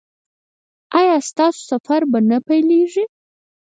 ایا ستاسو سفر به نه پیلیږي؟